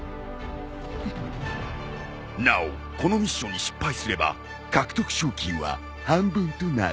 なおこのミッションに失敗すれば獲得賞金は半分となる。